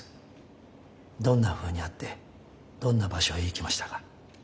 どんなふうに会ってどんな場所へ行きましたか？